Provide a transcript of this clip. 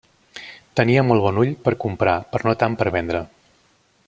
Tenia molt bon ull per comprar però no tant per vendre.